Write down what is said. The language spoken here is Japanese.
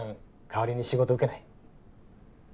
代わりに仕事受けない？